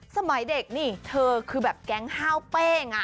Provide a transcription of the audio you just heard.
สมัยเด็กนี่เธอคือแบบแก๊งห้าวเป้ไง